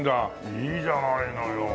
いいじゃないのよ。